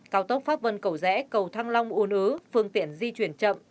cao tốc pháp vân cẩu rẽ cầu thăng long uôn ứ phương tiện di chuyển chậm